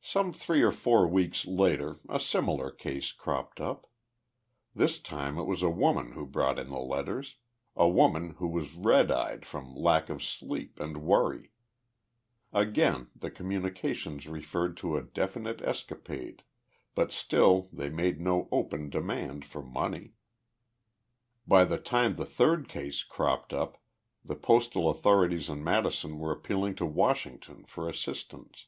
Some three or four weeks later a similar case cropped up. This time it was a woman who brought in the letters a woman who was red eyed from lack of sleep and worry. Again the communications referred to a definite escapade, but still they made no open demand for money. By the time the third case cropped up the postal authorities in Madison were appealing to Washington for assistance.